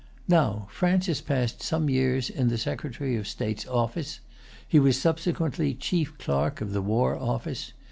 Now, Francis passed some years in the secretary of state's office. He was subsequently chief clerk of the war office.